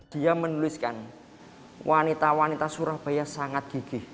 dia menuliskan wanita wanita surabaya sangat gigih